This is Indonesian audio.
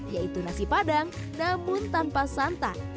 yaitu nasi padang namun tanpa santan